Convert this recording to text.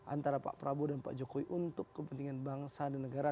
antara pak prabowo dan pak jokowi untuk kepentingan bangsa dan negara